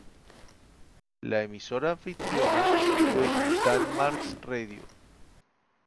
La emisora anfitriona fue Danmarks Radio.